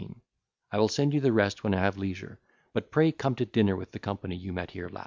I will send you the rest when I have leisure: but pray come to dinner with the company you met here last.